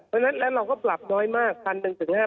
เราเราก็ปรับน้อยมาก๑๐๐๐บาทถึง๕๐๐๐บาท